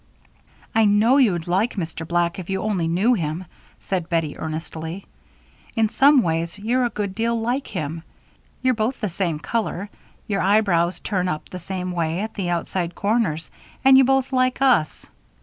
"I know you'd like Mr. Black if you only knew him," said Bettie, earnestly. "In some ways you're a good deal like him. You're both the same color, your eyebrows turn up the same way at the outside corners, and you both like us.